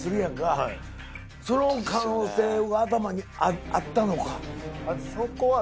その可能性が頭にあったのか？